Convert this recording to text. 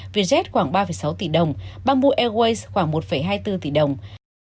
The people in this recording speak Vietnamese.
vietjet khoảng ba sáu tỷ đồng bamboo airways khoảng một hai mươi bốn tỷ đồng